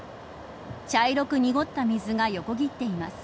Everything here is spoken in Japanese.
茶色く濁った水が横切っています。